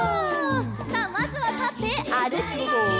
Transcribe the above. さあまずはたってあるきます！